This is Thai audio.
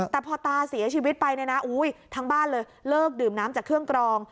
แต่พอตาเสียชีวิตไปเนี่ยนะทั้งบ้านเลยเลิกดื่มน้ำจากเครื่องกรอง